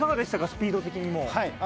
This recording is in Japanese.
スピード的にも。